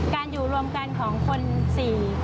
อยู่รวมกันของคนสี่